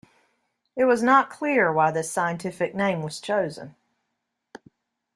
It was not clear why this scientific name was chosen.